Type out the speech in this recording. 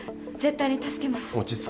絶対に助けます。